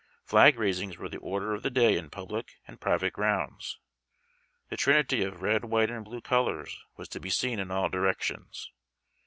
Flag raisings were the order of the day in public and private grounds. The trinity of red, white, and blue colors was to be seen in all directions.